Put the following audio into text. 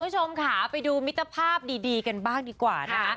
คุณผู้ชมค่ะไปดูมิตรภาพดีกันบ้างดีกว่านะคะ